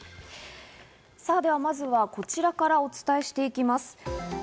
では、まずはこちらからお伝えしていきます。